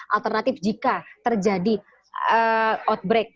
alternatif jika terjadi outbreak